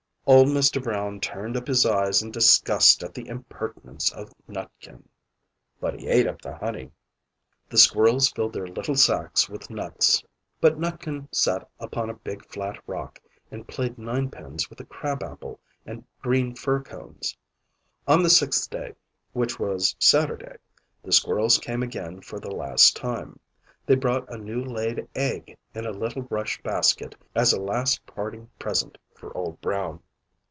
Old Mr. Brown turned up his eyes in disgust at the impertinence of Nutkin. But he ate up the honey! The squirrels filled their little sacks with nuts. But Nutkin sat upon a big flat rock, and played ninepins with a crab apple and green fir cones. On the sixth day, which was Saturday, the squirrels came again for the last time; they brought a new laid EGG in a little rush basket as a last parting present for Old Brown.